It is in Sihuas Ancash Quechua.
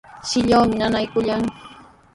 Shilluumi nanaakullan.